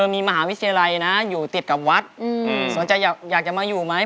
มีมหาวิทยาลัยนะอยู่ติดกับวัดสนใจอยากจะมาอยู่ไหม